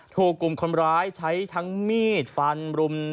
ถูกกลุ่มคนร้ายใช้ทั้งมีดฟันรุม